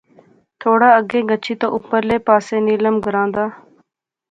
تھوڑا اگے گچھی تہ اپرلے پاسے نیلم گراں دا